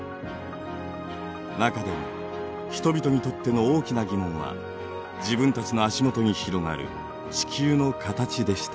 中でも人々にとっての大きな疑問は自分たちの足元に広がる地球の形でした。